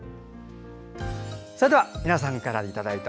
それでは皆さんからいただいた「＃